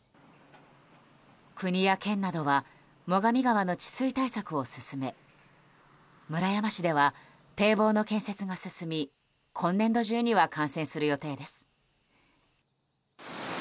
国や県などは最上川の治水対策を進め村山市では堤防の建設が進み今年度中には完成する予定です。